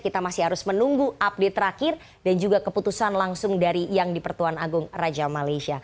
kita masih harus menunggu update terakhir dan juga keputusan langsung dari yang di pertuan agung raja malaysia